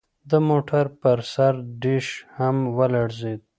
د موټر پر سر ډیش هم ولړزید